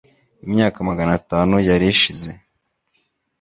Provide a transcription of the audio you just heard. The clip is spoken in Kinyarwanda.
Imyaka magana atanu yari ishize,